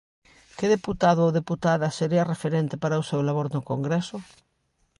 Que deputado ou deputada sería referente para o seu labor no Congreso?